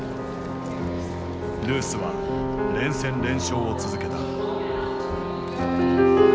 ルースは連戦連勝を続けた。